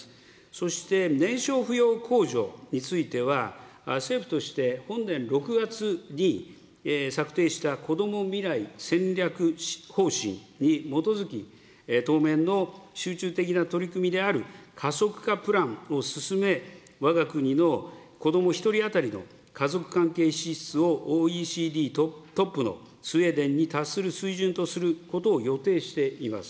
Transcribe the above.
そして、年少扶養控除については、政府として本年６月に策定したこども未来戦略方針に基づき、当面の集中的な取り組みである加速化プランを進め、わが国の子ども１人当たりの家族関係支出を、ＯＥＣＤトップのスウェーデンに達する水準とすることを予定しています。